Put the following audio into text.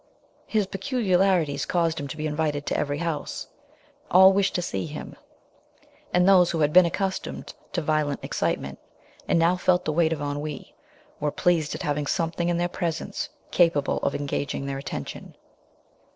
His peculiarities caused him to be invited to every house; all wished to see him, and those who had been accustomed to violent excitement, and now felt the weight of ennui, were pleased at having something in their presence capable of engaging their attention.